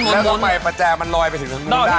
แล้วต่อไปประแจมันลอยไปถึงทั้งหนึ่งได้